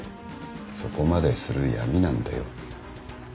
そこまでする闇なんだよ。